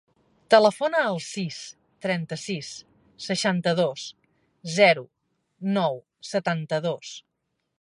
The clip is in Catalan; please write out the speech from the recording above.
Telefona al sis, trenta-sis, seixanta-dos, zero, nou, setanta-dos.